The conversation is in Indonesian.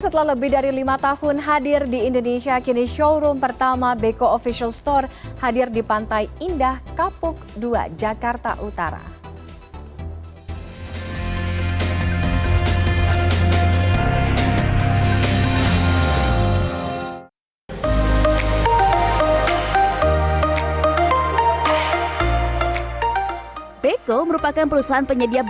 setelah lebih dari lima tahun hadir di indonesia kini showroom pertama beko official store hadir di pantai indah kapuk dua jakarta utara